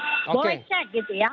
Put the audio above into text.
boleh cek gitu ya